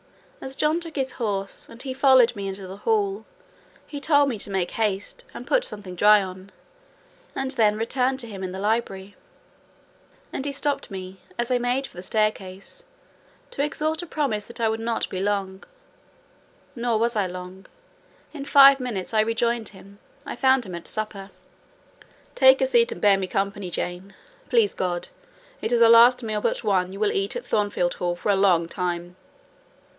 As John took his horse, and he followed me into the hall, he told me to make haste and put something dry on, and then return to him in the library; and he stopped me, as I made for the staircase, to extort a promise that I would not be long: nor was I long; in five minutes I rejoined him. I found him at supper. "Take a seat and bear me company, Jane: please God, it is the last meal but one you will eat at Thornfield Hall for a long time."